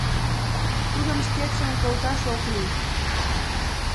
Тудым шкетшым колташ ок лий.